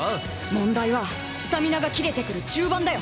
問題はスタミナが切れてくる中盤だよ。